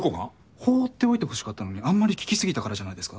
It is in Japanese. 放っておいてほしかったのにあんまり聞きすぎたからじゃないですか？